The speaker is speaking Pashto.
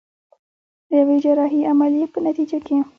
د يوې جراحي عمليې په نتيجه کې.